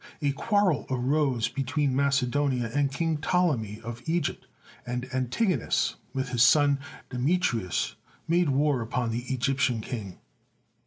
A quarrel arose between Macedonia and King Ptolemy of Egypt, and Antigonus, with his son Demetrius, made war upon the Egyptian King.